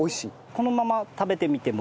このまま食べてみても。